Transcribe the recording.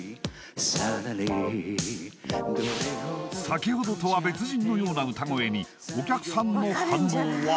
先ほどとは別人のような歌声にお客さんの反応は？